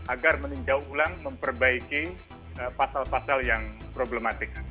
agar meninjau ulang memperbaiki pasal pasal yang problematik